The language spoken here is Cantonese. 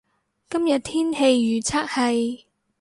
今日天氣預測係